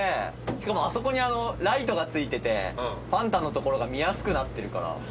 しかもあそこにライトがついててパンタの所が見やすくなってるから。